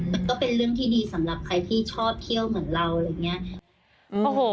มันก็เป็นเรื่องที่ดีสำหรับใครที่ชอบเที่ยวเหมือนเรา